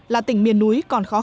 là tỉnh miền núi